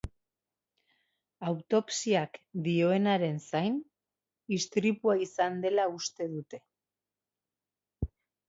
Autopsiak dioenaren zain, istripua izan dela uste dute.